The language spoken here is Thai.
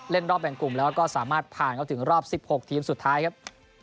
รอบแบ่งกลุ่มแล้วก็สามารถผ่านเข้าถึงรอบ๑๖ทีมสุดท้ายครับ